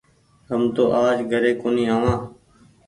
هم تو آج گهري ڪونيٚ آوآن ۔